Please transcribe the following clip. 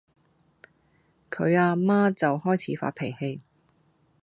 佢呀媽就開始發脾氣